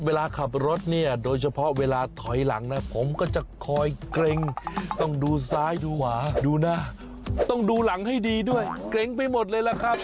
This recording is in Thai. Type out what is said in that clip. เวลาขับรถเนี่ยโดยเฉพาะเวลาถอยหลังนะผมก็จะคอยเกร็งต้องดูซ้ายดูขวาดูนะต้องดูหลังให้ดีด้วยเกร็งไปหมดเลยล่ะครับ